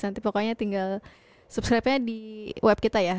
nanti pokoknya tinggal subscribe nya di web kita ya